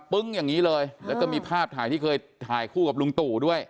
ึ้งอย่างนี้เลยแล้วก็มีภาพถ่ายที่เคยถ่ายคู่กับลุงตู่ด้วย